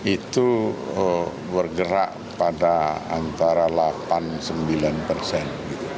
itu bergerak pada antara delapan sembilan persen